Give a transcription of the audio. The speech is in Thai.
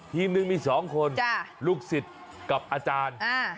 ทีมหนึ่งมี๒คนลูกศิษย์กับอาจารย์